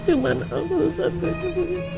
cuman al selesai